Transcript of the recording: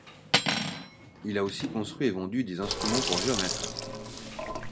Il a aussi construit et vendu des instruments pour géomètres.